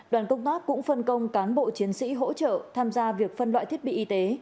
đoàn công tác cũng phân công cán bộ chiến sĩ hỗ trợ tham gia việc phân loại thiết bị y tế